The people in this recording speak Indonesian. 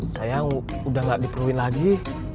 sayang udah gak diperluin lagi